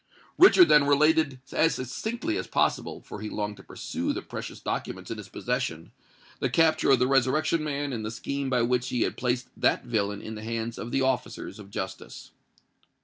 Richard then related as succinctly as possible,—for he longed to peruse the precious documents in his possession,—the capture of the Resurrection Man and the scheme by which he had placed that villain in the hands of the officers of justice.